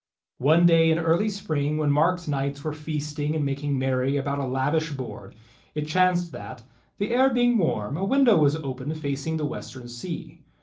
One day in early spring when Mark's knights were feasting and making merry about a lavish board, it chanced that, the air being warm, a window was open facing the western sea.